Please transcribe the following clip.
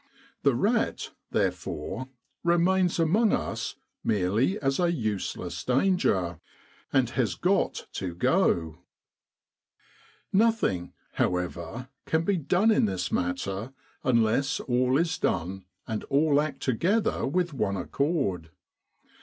The rat, therefore, remains among us merely as a useless danger, and has got to go. 191 With the R.A.M.C. in Egypt Nothing, however, can be done in this matter unless all is done and all act together with one accord.